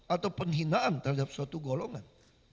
atau penghinaan terhadap suatu golongan